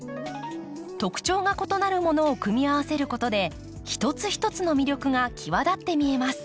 特徴が異なるものを組み合わせることで一つ一つの魅力がきわだって見えます。